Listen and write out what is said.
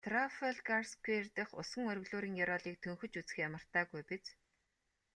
Трафальгарсквер дэх усан оргилуурын ёроолыг төнхөж үзэхээ мартаагүй биз?